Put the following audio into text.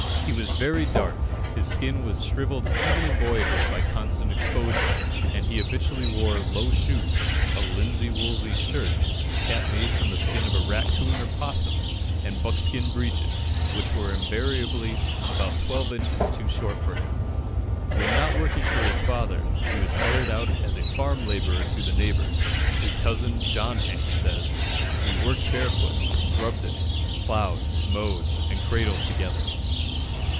He was very dark, his skin was shrivelled even in boyhood by constant exposure, and he habitually wore low shoes, a linsey woolsey shirt, a cap made from the skin of a raccoon or opossum, and buckskin breeches, which were invariably about twelve inches too short for him. When not working for his father, he was hired out as a farm labourer to the neighbours. His cousin, John Hanks, says "We worked barefoot, grubbed it, ploughed, mowed, and cradled together."